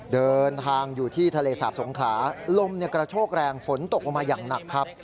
เดินทางอยู่ที่ทะเลสาบสงขลาลมกระโชกแรงฝนตกลงมาอย่างหนักครับ